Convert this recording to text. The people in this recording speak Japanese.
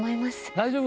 大丈夫！